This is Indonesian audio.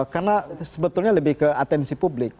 karena sebetulnya lebih ke atensi publik